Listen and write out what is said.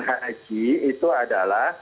haji itu adalah